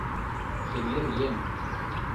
Шемер еҥ